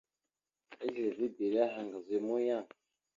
Ezlilivibire aha ŋgaz a muyaŋ a.